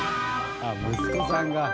あっ息子さんが。